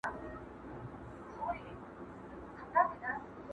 پرېږدی چي موږ هم څو شېبې ووینو.!